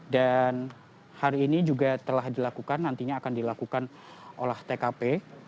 dan hari ini juga telah dilakukan nantinya akan dilakukan oleh tkp